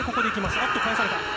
あっと、返された。